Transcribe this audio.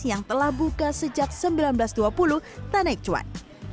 yang telah buka sejak seribu sembilan ratus dua puluh tanek cuan